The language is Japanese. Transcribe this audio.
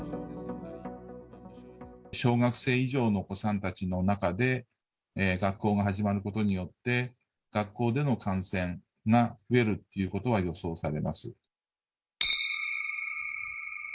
小学生以上のお子さんたちの中で、学校が始まることによって、学校での感染が増えるっていうことは予想されます。